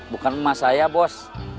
bukan emak saya bos